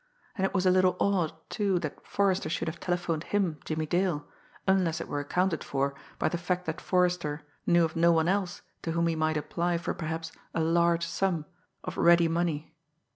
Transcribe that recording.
And it was a little odd, too, that Forrester should have telephoned him, Jimmie Dale, unless it were accounted for by the fact that Forrester knew of no one else to whom he might apply for perhaps a large sum, of ready money.